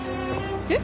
えっ？